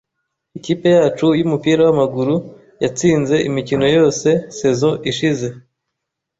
Ikipe yacu yumupira wamaguru yatsinze imikino yose saison ishize